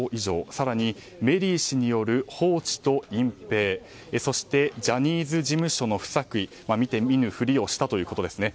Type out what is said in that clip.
更にメリー氏による放置と隠蔽そしてジャニーズ事務所の不作為見て見ぬふりをしたということですね。